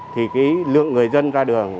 thì lượng người dân ra đường